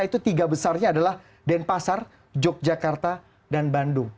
itu tiga besarnya adalah denpasar yogyakarta dan bandung